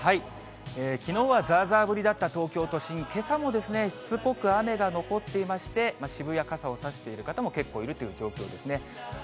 きのうはざーざー降りだった東京都心、けさもですね、しつこく雨が残っていまして、渋谷、傘を差している方も結構いるという状況ですね。